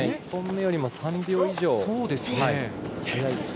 １本目よりも３秒以上速い。